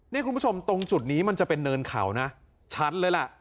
นี่คุณผู้ชมตรงจุดนี้มันจะเป็นเนินเขานะชัดเลยล่ะ